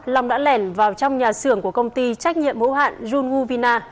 long đã lèn vào trong nhà xưởng của công ty trách nhiệm hữu hạn jun guvina